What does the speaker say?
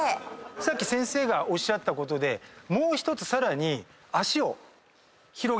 さっき先生がおっしゃったことでもう１つさらに。